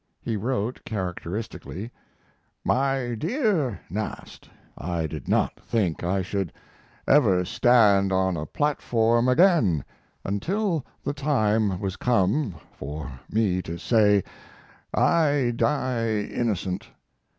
He wrote characteristically: MY DEAR NAST, I did not think I should ever stand on a platform again until the time was come for me to say, "I die innocent."